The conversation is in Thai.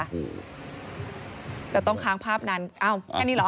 อืมเราต้องค้างภาพนั้นอ้าวแค่นี้เหรอ